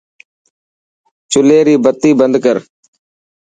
چلي ري بتي بند ڪر.